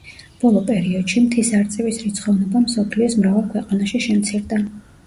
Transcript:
ბოლო პერიოდში მთის არწივის რიცხოვნობა მსოფლიოს მრავალ ქვეყანაში შემცირდა.